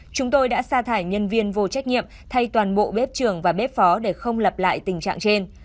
chúng tôi đã xa thải nhân viên vô trách nhiệm thay toàn bộ bếp trường và bếp phó để không lặp lại tình trạng trên